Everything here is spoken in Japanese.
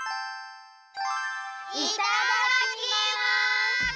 いただきます！